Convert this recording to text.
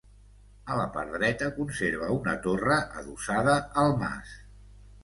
A la part dreta conserva una torre adossada al mas.